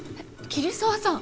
桐沢さん。